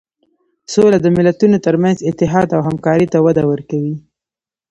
سوله د ملتونو تر منځ اتحاد او همکاري ته وده ورکوي.